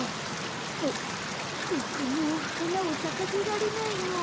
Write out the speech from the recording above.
ボボクもうはなをさかせられないの？